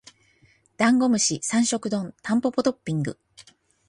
ダンゴムシ三食丼タンポポトッピング